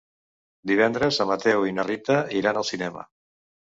Divendres en Mateu i na Rita iran al cinema.